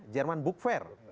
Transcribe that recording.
jerman book fair